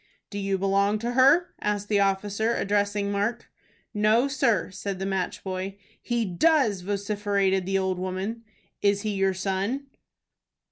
"Do you belong to her?" asked the officer, addressing Mark. "No, sir," said the match boy. "He does," vociferated the old woman. "Is he your son?"